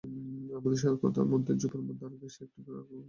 আমাদের কথার মধ্যেই ঝোপের ধার ঘেঁষে একটি ট্রাক ঢুকল পার্কিংয়ের জন্য।